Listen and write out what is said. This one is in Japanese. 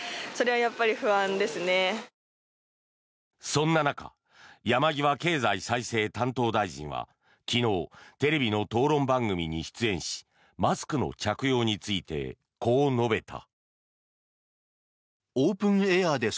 そんな中山際経済再生担当大臣は昨日、テレビの討論番組に出演しマスクの着用についてこう述べた。